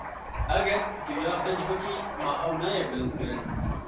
Eger tu ya qenc bikî, ma ew nayê bilindkirin?